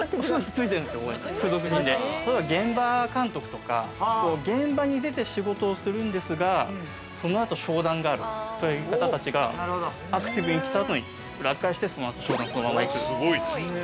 現場監督とか、現場に出て仕事をするんですが、そのあと商談があるという方たちがアクティブに着たあとに、裏返して、商談にそのまま行く。